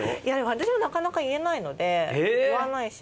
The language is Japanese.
私もなかなか言えないので言わないし。